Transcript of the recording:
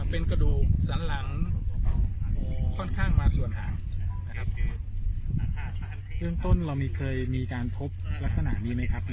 เป็นกระดูกสั้นหลังค่อนข้างมาส่วนฐานนะครับ